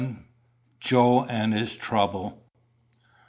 JOE AND HIS TROUBLE.